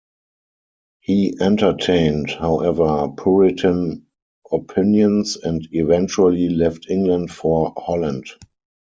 He entertained, however, Puritan opinions and eventually left England for Holland.